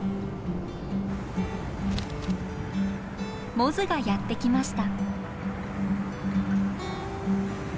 モズがやって来ました。